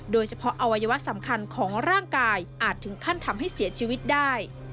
โดยเฉพาะอวัยวะสำคัญของร่างกายอาจถึงขั้นทำให้เสียชีวิตได้